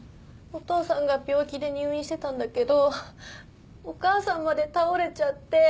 お父さんが病気で入院してたんだけどお母さんまで倒れちゃって。